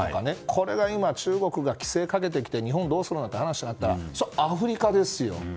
これが今中国が規制をかけてきて日本どうするのかっていったらアフリカですよ。